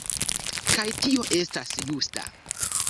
Kaj tio estas justa.